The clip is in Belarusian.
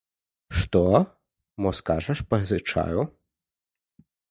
Што, мо скажаш, пазычаю?